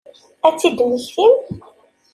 Ad tt-id-temmektim?